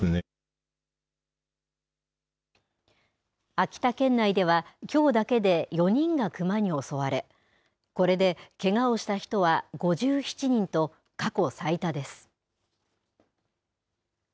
秋田県内では、きょうだけで４人がクマに襲われ、これでけがをした人は５７人と、過去最多です。